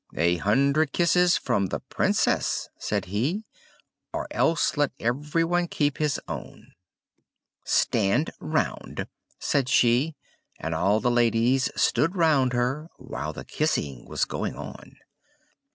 "A hundred kisses from the Princess," said he, "or else let everyone keep his own!" "Stand round!" said she; and all the ladies stood round her whilst the kissing was going on.